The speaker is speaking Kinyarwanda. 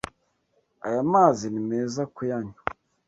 Aya mazi ni meza kuyanywa.